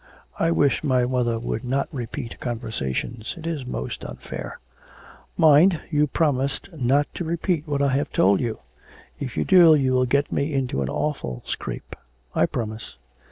I wish my mother would not repeat conversations; it is most unfair.' 'Mind, you promised not to repeat what I have told you. If you do, you will get me into an awful scrape.' 'I promise.'